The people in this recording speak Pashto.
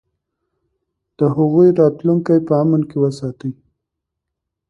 د هغوی راتلونکی په امن کې وساتئ.